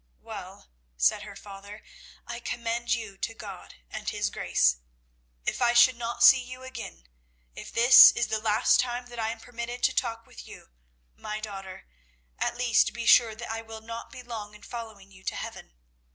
"Well," said her father, "I commend you to God and His grace. If I should not see you again, if this is the last time that I am permitted to talk with you, my daughter, at least be sure that I will not be long in following you to heaven.